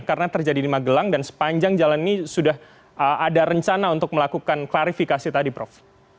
karena terjadi di magelang dan sepanjang jalan ini sudah ada rencana untuk melakukan klarifikasi tadi prof